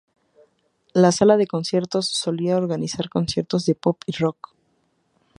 La sala de conciertos solía organizar conciertos de pop y rock.